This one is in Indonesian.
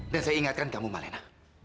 dan saya ingatkan kamu malena